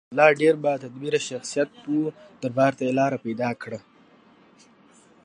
عبدالله ډېر با تدبیره شخصیت و دربار ته یې لاره پیدا کړه.